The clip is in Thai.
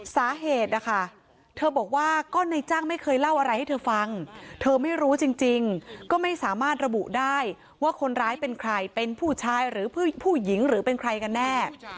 สาเหตุนะคะเธอบอกว่าก็ในจ้างไม่เคยเล่าอะไรให้เธอฟังเธอไม่รู้จริงก็ไม่สามารถระบุได้ว่าคนร้ายเป็นใครเป็นผู้ชายหรือผู้หญิงหรือเป็นใครกันแน่